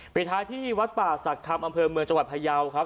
ปิดท้ายที่วัดป่าศักดิ์คำอำเภอเมืองจังหวัดพยาวครับ